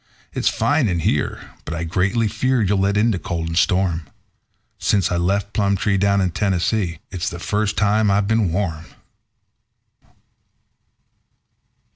It's fine in here, but I greatly fear you'll let in the cold and storm Since I left Plumtree, down in Tennessee, it's the first time I've been warm."